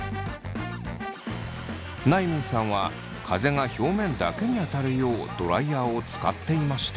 なゆみんさんは風が表面だけに当たるようドライヤーを使っていました。